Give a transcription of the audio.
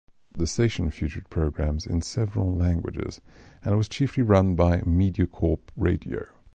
The station featured programs in several languages, and was chiefly run by MediaCorp Radio.